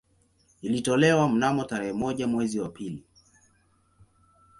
Ilitolewa mnamo tarehe moja mwezi wa pili